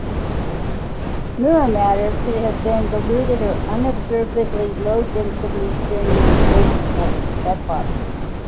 Mirror matter could have been diluted to unobservably low densities during the inflation epoch.